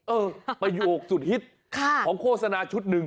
ประโยคสุดฮิตของโฆษณาชุดหนึ่ง